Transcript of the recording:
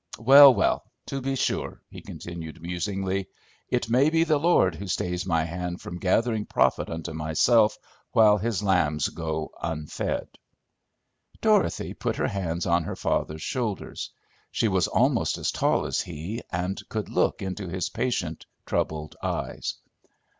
"Well, well! To be sure," he continued musingly. "It may be the Lord who stays my hand from gathering profit unto myself while his lambs go unfed." Dorothy put her hands on her father's shoulders: she was almost as tall as he, and could look into his patient, troubled eyes.